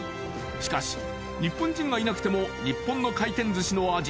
しかし日本人がいなくても日本の回転寿司の味